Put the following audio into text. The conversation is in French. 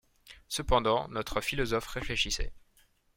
Cependant notre philosophe réfléchissait.